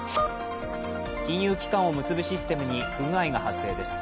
金融機関を結ぶシステムに不具合が発生です。